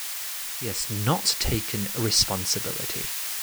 He has not taken responsibility.